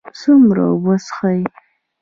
څومره اوبه څښئ؟